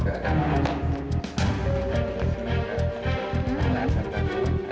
berbualan nikal di sini bisa kita angkat kan